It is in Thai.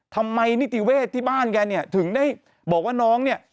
นิติเวศที่บ้านแกเนี่ยถึงได้บอกว่าน้องเนี่ย